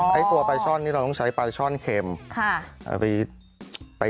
ข้างบัวแห่งสันยินดีต้อนรับทุกท่านนะครับ